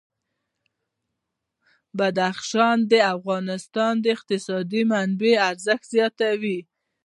بدخشان د افغانستان د اقتصادي منابعو ارزښت زیاتوي.